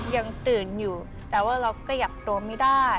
ยังตื่นอยู่แต่ว่าเราขยับตัวไม่ได้